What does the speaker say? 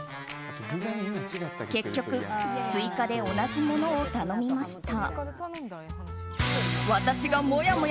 結局、追加で同じものを頼みました。